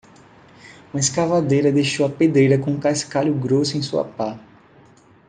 Uma escavadeira deixou a pedreira com cascalho grosso em sua pá.